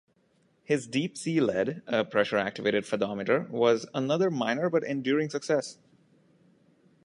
His 'deep sea lead,' a pressure-activated fathometer was another minor, but enduring success.